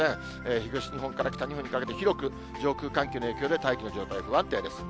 東日本から北日本にかけて広く上空、寒気の影響で大気の状態不安定です。